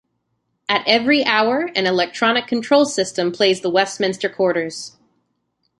At every hour, an electronic control system plays the Westminster Quarters.